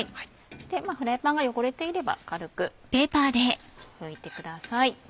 そしてフライパンが汚れていれば軽く拭いてください。